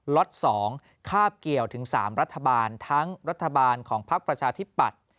ล็อต๒คาบเกี่ยวถึง๓รัฐบาลทั้งรัฐบาลของพักประชาธิปัตย์